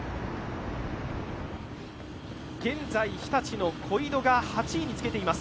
現在、日立の小井戸が８位につけています。